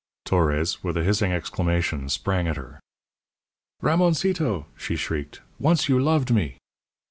_" Torres, with a hissing exclamation, sprang at her. "Ramoncito!" she shrieked; "once you loved me."